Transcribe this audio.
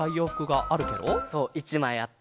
そう１まいあって。